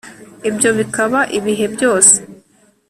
ibyo bikaba ibihe byose